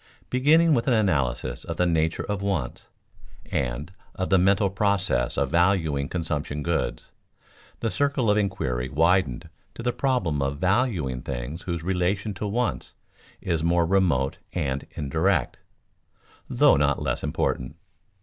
Beginning with an analysis of the nature of wants, and of the mental process of valuing consumption goods, the circle of inquiry widened to the problem of valuing things whose relation to wants is more remote and indirect (though not less important).